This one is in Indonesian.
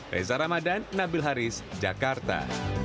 reza ramadan nabil haris jakarta